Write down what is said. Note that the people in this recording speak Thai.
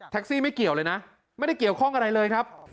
ซี่ไม่เกี่ยวเลยนะไม่ได้เกี่ยวข้องอะไรเลยครับ